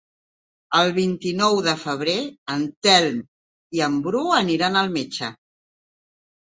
El vint-i-nou de febrer en Telm i en Bru aniran al metge.